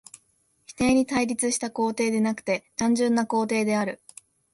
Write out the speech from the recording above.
否定に対立した肯定でなくて単純な肯定である。